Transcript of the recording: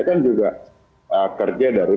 kan juga kerja dari